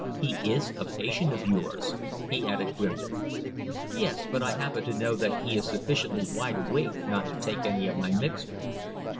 He is a patient of yours," he added grimly. "Yes. But I happen to know that he is sufficiently wide awake not to take any of my mixtures."